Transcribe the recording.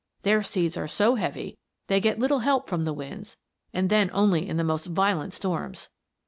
Their seeds are so heavy they get little help from the winds, and then only in the most violent storms.